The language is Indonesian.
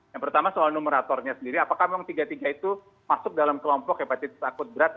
yang pertama soal numeratornya sendiri apakah memang tiga tiga itu masuk dalam kelompok hepatitis akut berat